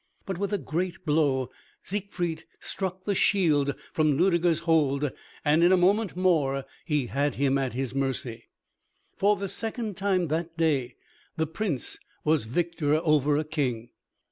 But with a great blow Siegfried struck the shield from Ludeger's hold, and in a moment more he had him at his mercy. For the second time that day the Prince was victor over a king.